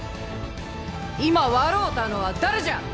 今笑うたのは誰じゃ！